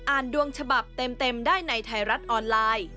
ดวงฉบับเต็มได้ในไทยรัฐออนไลน์